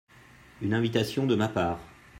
Une invitation de ma part.